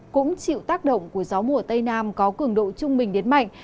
cũng chịu tác động của gió mùa tây nam có cường độ trung bình đến mạnh